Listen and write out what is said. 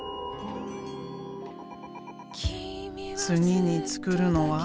次に作るのは。